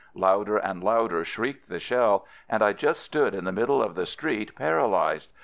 Louder and louder shrieked the shell and I just stood in the middle of the street paralyzed.